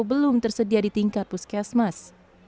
belum tersedia di tingkat puskesmas